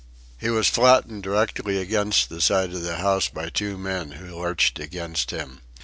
He was flattened directly against the side of the house by two men who lurched against him.